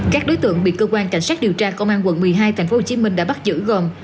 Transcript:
các đối tượng bị cơ quan cảnh sát điều tra công an quận một mươi hai tp hcm đã bắt giữ gồm